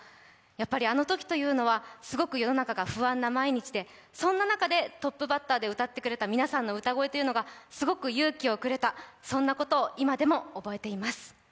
やりあのときというのは、すごく世の中が不安な毎日でそんな中で、トップバッターで歌ってくださった皆さんの歌声というのがすごく勇気をくれた、そんなことを今でも覚えています。